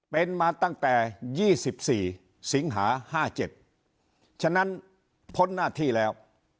เป็นมาตั้งแต่๒๔สิงหา๕๗ฉะนั้นพ้นหน้าที่แล้ว